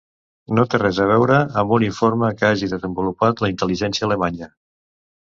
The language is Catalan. No té res a veure amb un informe que hagi desenvolupat la intel·ligència alemanya.